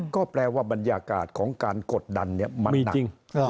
ก็แปลว่าบรรยากาศของการกดดันมันจริง